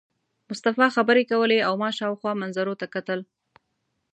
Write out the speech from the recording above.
مصطفی خبرې کولې او ما شاوخوا منظرو ته کتل.